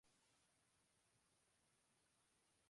トンネルは完成する